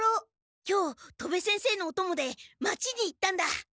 今日戸部先生のおともで町に行ったんだ。